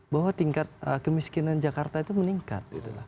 bahwa tingkat kemiskinan jakarta itu meningkat